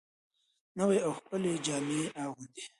نوې او ښکلې جامې اغوندي